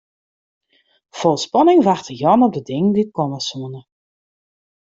Fol spanning wachte Jan op de dingen dy't komme soene.